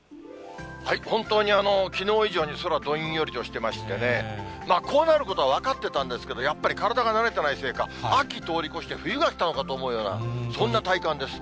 本当にきのう以上に空、どんよりとしてましてね、こうなることは分かってたんですけれども、やっぱり体が慣れてないせいか、秋通り越して冬が来たかと思うような、そんな体感です。